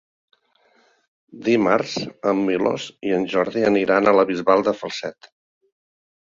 Dimarts en Milos i en Jordi aniran a la Bisbal de Falset.